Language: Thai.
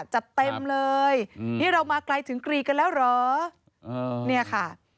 จัดเต็มเลยนี่เรามาไกลถึงกรีกันแล้วเหรอเนี่ยค่ะ